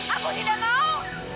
aku tidak mau